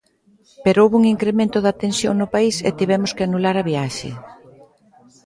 Pero houbo un incremento da tensión no país e tivemos que anular a viaxe.